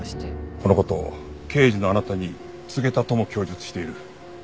この事を刑事のあなたに告げたとも供述している。